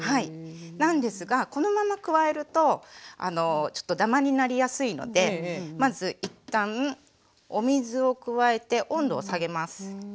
なんですがこのまま加えるとちょっとダマになりやすいのでまず一旦お水を加えて温度を下げます。